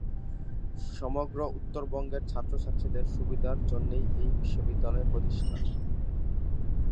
সমগ্র উত্তরবঙ্গের ছাত্রছাত্রীদের সুবিধার জন্যই এই বিশ্ববিদ্যালয়ের প্রতিষ্ঠা।